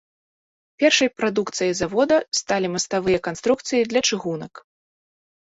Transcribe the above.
Першай прадукцыяй завода сталі маставыя канструкцыі для чыгунак.